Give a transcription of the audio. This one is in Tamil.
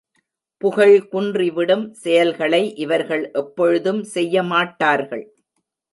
புகழ் குன்றிவிடும் செயல்களை இவர்கள் எப்பொழுதும் செய்ய மாட்டார்கள்.